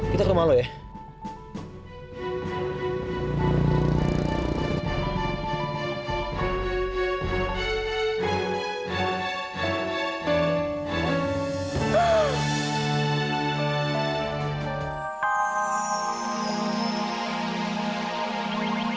kita ke rumah aku dulu ya ambil obat